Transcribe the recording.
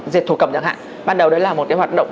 dệt thổ cẩm chẳng hạn ban đầu đấy là một cái hoạt động